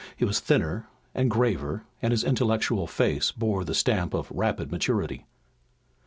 He was thinner and graver, and his intellectual face bore the stamp of rapid maturity.